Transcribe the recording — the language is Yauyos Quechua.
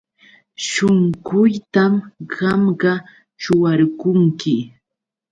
Shunquytam qamqa suwarqunki.